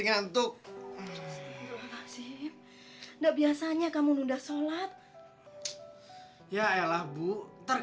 nanti aku beli es buah